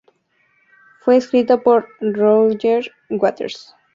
Fue escrita por Roger Waters.